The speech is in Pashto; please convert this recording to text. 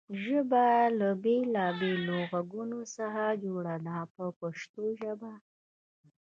ژبه له بېلابېلو غږونو څخه جوړه ده په پښتو ژبه.